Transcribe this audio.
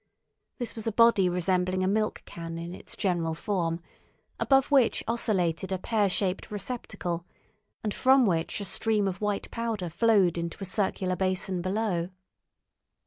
This was a body resembling a milk can in its general form, above which oscillated a pear shaped receptacle, and from which a stream of white powder flowed into a circular basin below.